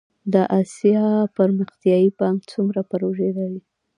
د اسیا پرمختیایی بانک څومره پروژې لري؟